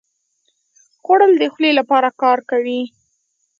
خوړل د خولې لپاره کار کوي